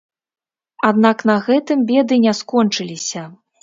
Аднак на гэтым беды не скончыліся.